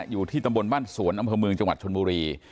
อยู่ที่ตำบลบ้านสวนอำเภอเมืองจังหวัดชนบุรี